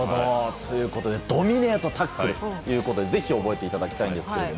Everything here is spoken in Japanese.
ドミネートタックルということでぜひ覚えていただきたいです。